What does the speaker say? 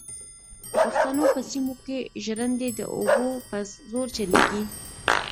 د پښتنو په سیمو کې ژرندې د اوبو په زور چلېږي.